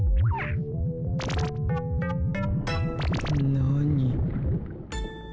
何？